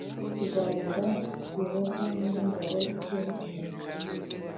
Bizabera Yehova nyir ingabo ikimenyetso